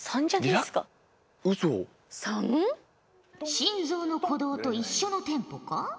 心臓の鼓動と一緒のテンポか？